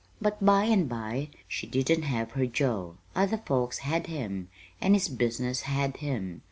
"But by and by she didn't have her Joe. Other folks had him and his business had him.